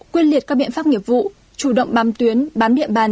quyết liệt các biện pháp nghiệp vụ chủ động bám tuyến bán điện bàn